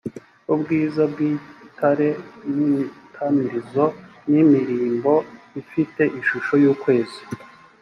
ubwiza bw ibitare n imitamirizo n imirimbo ifite ishusho y ukwezi